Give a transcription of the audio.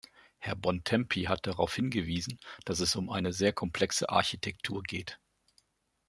Herr Bontempi hat darauf hingewiesen, dass es um eine sehr komplexe Architektur geht.